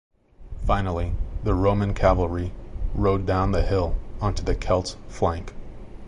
Finally, the Roman cavalry rode down the hill onto the Celts' flank.